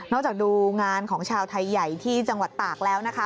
จากดูงานของชาวไทยใหญ่ที่จังหวัดตากแล้วนะคะ